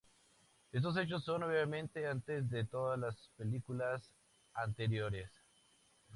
Estos hechos son obviamente antes de todas las películas anteriores.